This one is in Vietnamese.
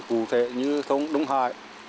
cụ thể như thông đông hải